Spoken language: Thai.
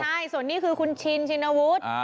ใช่ส่วนนี้คือคุณชินชินวุฒิ